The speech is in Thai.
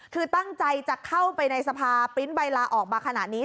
คือตั้งใจจะเข้าไปในสภาปริ้นต์ใบลาออกมาขนาดนี้